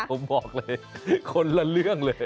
ผมบอกเลยคนละเรื่องเลย